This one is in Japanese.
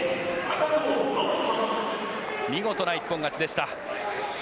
見事な一本勝ちでした。